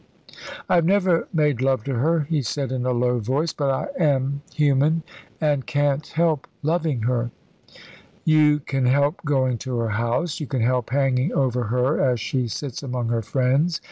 "I have never made love to her," he said in a low voice. "But I am human, and can't help loving her." "You can help going to her house. You can help hanging over her as she sits among her friends.